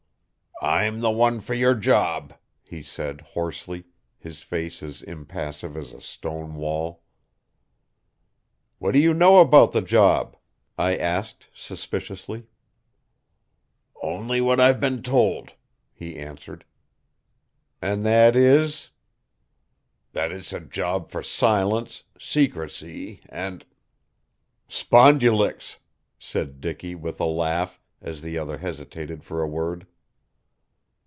"I'm the one for your job," he said hoarsely, his face as impassive as a stone wall. "What do you know about the job?" I asked suspiciously. "Only what I've been told," he answered. "And that is " "That it's a job for silence, secrecy, and " "Spondulicks," said Dicky with a laugh, as the other hesitated for a word.